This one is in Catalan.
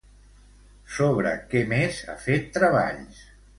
Sobre què més ha fet treballs?